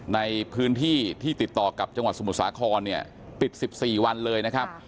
ในพื้นที่ที่ติดต่อกับจังหวัดสมุทรสาครเนี่ยปิด๑๔วันเลยนะครับ